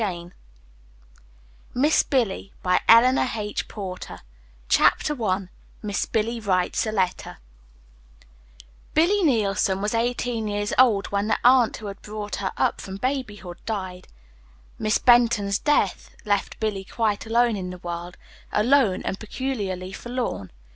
THE "END OF THE STORY" MISS BILLY CHAPTER I BILLY WRITES A LETTER Billy Neilson was eighteen years old when the aunt, who had brought her up from babyhood, died. Miss Benton's death left Billy quite alone in the world alone, and peculiarly forlorn.